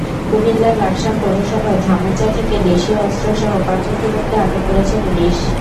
কুমিল্লার লাকসাম পৌরসভার ধামুইচা থেকে দেশীয় অস্ত্রসহ পাঁচজন যুবককে আটক করেছে পুলিশ।